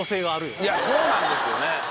そうなんですよね。